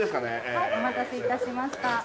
はいお待たせいたしました